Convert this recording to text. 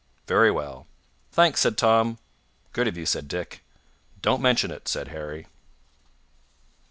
"Very well." "Thanks," said Tom. "Good of you," said Dick. "Don't mention it," said Harry.